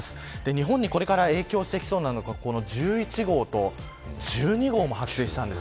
日本にこれから影響してきそうなのが、１１号と１２号も発生したんです。